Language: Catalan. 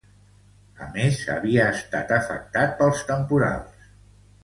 A més, havia estat afectat pels temporals.